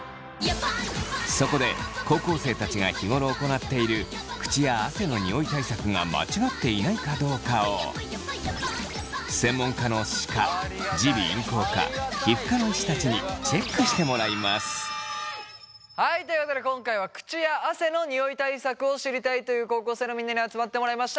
そこで高校生たちが日頃行っている口や汗のニオイ対策が間違っていないかどうかを専門家の歯科耳鼻咽喉科皮膚科の医師たちにはいということで今回は口や汗のニオイ対策を知りたいという高校生のみんなに集まってもらいました。